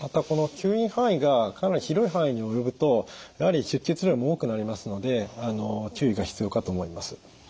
またこの吸引範囲がかなり広い範囲に及ぶとやはり出血量も多くなりますので注意が必要かと思います。